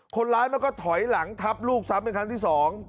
คนร้ายมันก็ถอยหลังทับลูกซ้ำเป็นครั้งที่สอง